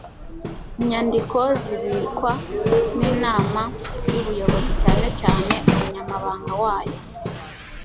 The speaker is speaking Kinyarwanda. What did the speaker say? inyandiko zibikwa n'inama y'ubuyobozi cyane cyane umunyamabanga wayo